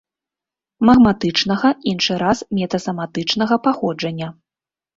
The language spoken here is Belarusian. Магматычнага, іншы раз метасаматычнага паходжання.